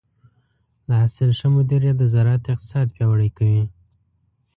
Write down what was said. د حاصل ښه مدیریت د زراعت اقتصاد پیاوړی کوي.